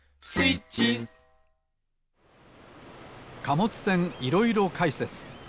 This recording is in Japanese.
貨物船いろいろ解説。